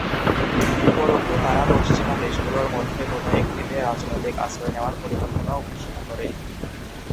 উপরন্তু, তারা পশ্চিমা দেশগুলোর মধ্যে কোন একটিতে রাজনৈতিক আশ্রয় নেওয়ার পরিকল্পনাও ঘোষণা করে।